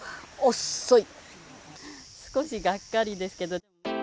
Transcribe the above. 少しがっかりですけど。